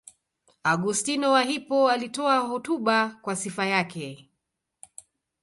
Augustino wa Hippo alitoa hotuba kwa sifa yake.